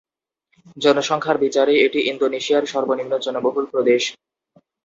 জনসংখ্যার বিচারে এটি ইন্দোনেশিয়ার সর্বনিম্ন জনবহুল প্রদেশ।